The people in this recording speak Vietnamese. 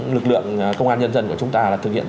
lực lượng công an nhân dân của chúng ta là thực hiện